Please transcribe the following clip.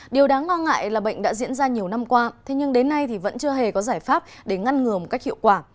điều đáng lo ngại là bệnh đã diễn ra nhiều năm qua thế nhưng đến nay vẫn chưa hề có giải pháp để ngăn ngừa một cách hiệu quả